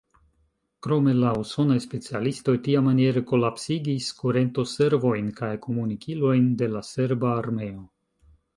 Krome la usonaj specialistoj tiamaniere kolapsigis kurentoservojn kaj komunikilojn de la serba armeo.